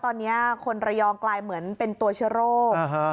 ตอนนี้คนระยองกลายเหมือนเป็นตัวเชื้อโรค